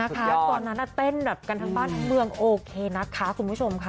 แล้วตอนนั้นเต้นแบบกันทั้งบ้านทั้งเมืองโอเคนะคะคุณผู้ชมค่ะ